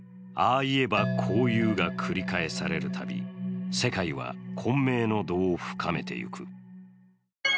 ああ言えばこう言うが繰り返される度世界は混迷の度を深めていく。